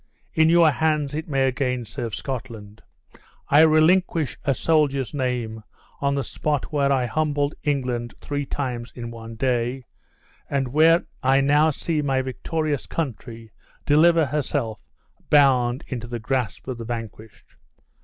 In your hands it may again serve Scotland, I relinquish a soldier's name, on the spot where I humbled England three times in one day, where I now see my victorious country deliver herself, bound, into the grasp of the vanquished!